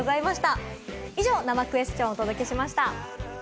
以上、生クエスチョンお届けしました。